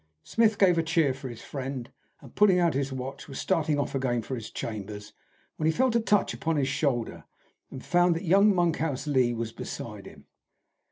Smith gave a cheer for his friend, and pulling out his watch, was starting off again for his chambers, when he felt a touch upon his shoulder, and found that young Monkhouse Lee was beside him.